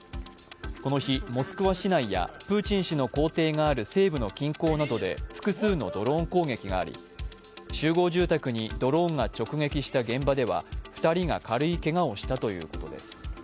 この日、モスクワ市内やプーチン氏の公邸がある西部の近郊などで複数のドローン攻撃があり集合住宅にドローンが直撃した現場では２人が軽いけがをしたということです。